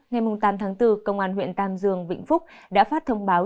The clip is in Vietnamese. ngày tám tháng bốn công an huyện tam dương vĩnh phúc đã phát thông báo